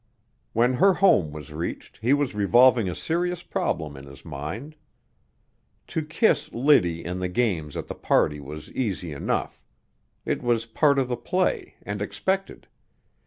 When her home was reached he was revolving a serious problem in his mind. To kiss Liddy in the games at the party was easy enough. It was a part of the play, and expected.